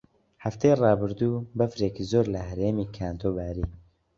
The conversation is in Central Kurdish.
هەفتەی ڕابردوو بەفرێکی زۆر لە هەرێمی کانتۆ باری.